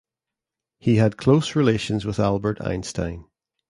He had close relations with Albert Einstein.